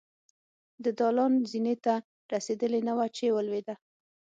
د دالان زينې ته رسېدلې نه وه چې ولوېدله.